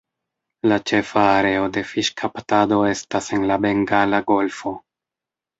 La ĉefa areo de fiŝkaptado estas en la Bengala Golfo.